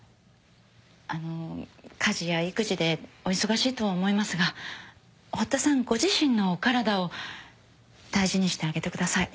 あの家事や育児でお忙しいとは思いますが堀田さんご自身のお体を大事にしてあげてください。